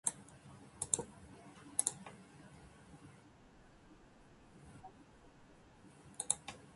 これは夢なのか、現実なのか